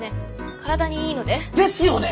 体にいいので。ですよね！